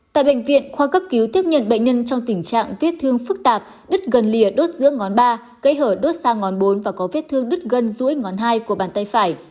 tại bệnh viện khoa cấp cứu tiếp nhận bệnh nhân trong tình trạng viết thương phức tạp đứt gần lìa đốt giữa ngón ba kẽ hở đốt sang ngón bốn và có vết thương đứt gần ruối ngón hai của bàn tay phải